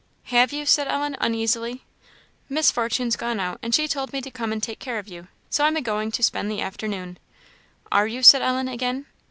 "Have you?" said Ellen, uneasily. "Miss Fortune's gone out, and she told me to come and take care of you; so I'm a going to spend the afternoon." "Are you?" said Ellen, again.